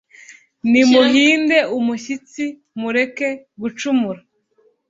nimuhinde umushyitsi, mureke gucumura